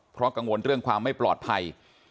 เพราะกังวลเรื่องความไม่ปลอดภัย